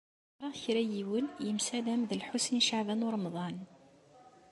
Ẓṛiɣ kra n yiwen yemsalam d Lḥusin n Caɛban u Ṛemḍan.